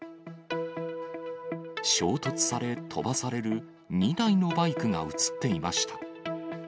衝突され、飛ばされる２台のバイクが写っていました。